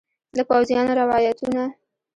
د پوځیانو روایتونه